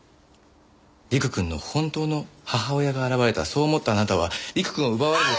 陸くんの本当の母親が現れたそう思ったあなたは陸くんを奪われる。